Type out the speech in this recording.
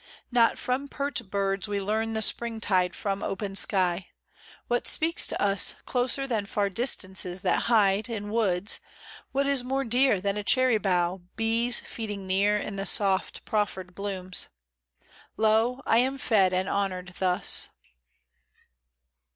Not from pert birds we learn the spring tide From open sky. What speaks to us Closer than far distances that hide In woods, what is more dear Than a cherry bough, bees feeding near In the soft, proffered blooms ? Lo, I Am fed and honoured thus.